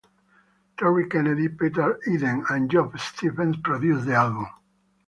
Terry Kennedy, Peter Eden, and Geoff Stephens produced the album.